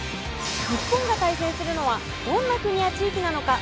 日本が対戦するのはどんな国や地域なのか？